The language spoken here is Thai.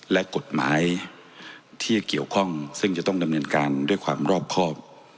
และกฎหมายที่เกี่ยวข้องซึ่งจะต้องดำเนินการด้วยความรอบครอบ